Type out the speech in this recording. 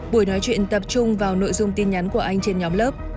buổi nói chuyện tập trung vào nội dung tin nhắn của anh trên nhóm lớp